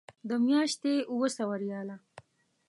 د میاشتې اوه سوه ریاله.